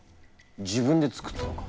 自分で作ったのか。